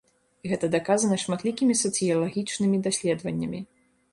Гэта даказана шматлікімі сацыялагічнымі даследаваннямі.